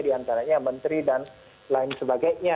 diantaranya menteri dan lain sebagainya